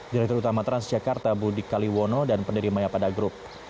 direktur utama transjakarta budi kaliwono dan penerimanya pada grup